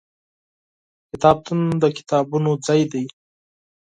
کتابتون د کتابونو ځای دی.